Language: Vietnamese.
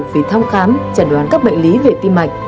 về thăm khám chẩn đoán các bệnh lý về tim mạch